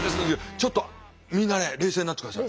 ちょっとみんなね冷静になってください。